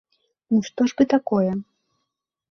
Ну, што ж бы такое?